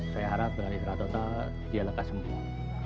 saya harap dengan islah total dia lekas sembuh